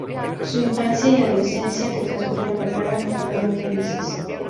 Su infancia y adolescencia, que transcurrieron en Praga, no fueron muy felices.